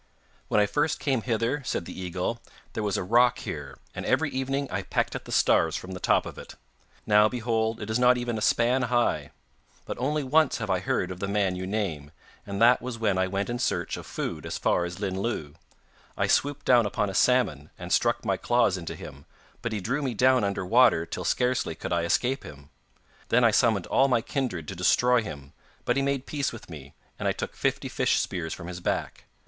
'When I first came hither,' said the eagle, 'there was a rock here, and every evening I pecked at the stars from the top of it. Now, behold, it is not even a span high! But only once have I heard of the man you name, and that was when I went in search of food as far as Llyn Llyw. I swooped down upon a salmon, and struck my claws into him, but he drew me down under water till scarcely could I escape him. Then I summoned all my kindred to destroy him, but he made peace with me, and I took fifty fish spears from his back.